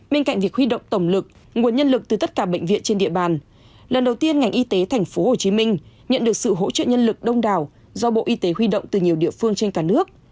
bên cạnh việc huy động tổng lực nguồn nhân lực từ tất cả bệnh viện trên địa bàn lần đầu tiên ngành y tế tp hcm nhận được sự hỗ trợ nhân lực đông đảo do bộ y tế huy động từ nhiều địa phương trên cả nước